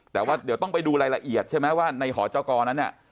แต่ว่าเดี๋ยวต้องไปดูรายละเอียดใช่ไหมว่าในหอจกรนั้นเนี่ย